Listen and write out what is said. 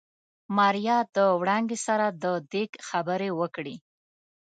ماريا د وړانګې سره د ديګ خبرې وکړې.